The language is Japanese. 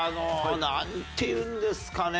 なんていうんですかね。